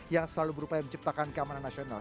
yang selalu berupaya menciptakan keamanan nasional